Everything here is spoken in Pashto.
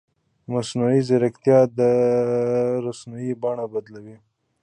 مصنوعي ځیرکتیا د رسنیو بڼه بدلوي.